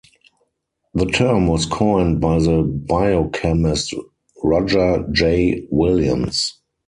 The term was coined by the biochemist Roger J. Williams.